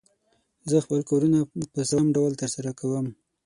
زه خپل کارونه په سم ډول تر سره کووم.